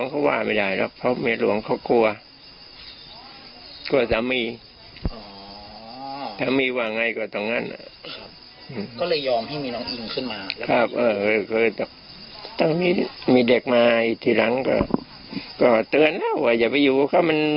ใช่เขาฝุ่นไหวแค่นั้นบ้าง